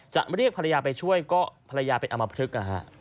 จะเรียกภรรยาไปช่วยก็ภรรยาเป็นอำมับทึกอ่ะฮะ